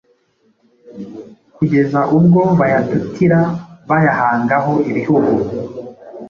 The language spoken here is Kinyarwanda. kugeza ubwo bayatutira, bayahangaho ibihugu.